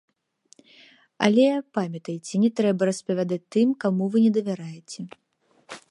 Але памятайце, не трэба распавядаць тым, каму вы не давяраеце!